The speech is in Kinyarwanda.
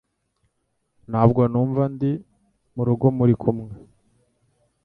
Ntabwo numva ndi murugo muri kumwe.